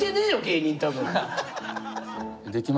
芸人多分。